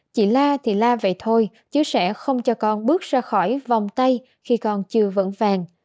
chị la thì la vậy thôi chứ sẽ không cho con bước ra khỏi vòng tay khi con chưa vững vàng